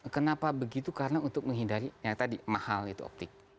kenapa begitu karena untuk menghindari yang tadi mahal itu optik